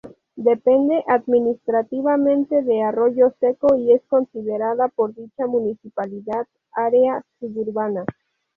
Depende administrativamente de Arroyo Seco y es considerada por dicha municipalidad área suburbana.